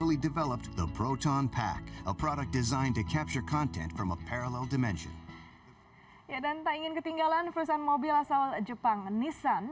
ya dan tak ingin ketinggalan perusahaan mobil asal jepang nissan